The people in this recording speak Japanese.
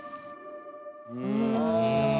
うん。